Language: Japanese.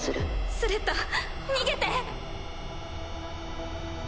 スレッタ逃げて。